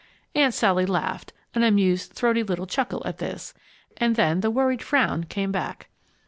Aunt Sally laughed, an amused, throaty little chuckle at this, and then the worried frown came back.